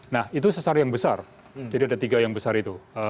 nah itu sesar yang besar jadi ada tiga yang besar itu